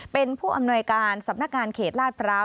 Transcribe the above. เป็นผู้อำนวยการสำนักงานเขตลาดพร้าว